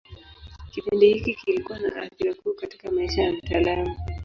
Kipindi hiki kilikuwa na athira kuu katika maisha ya mtaalamu.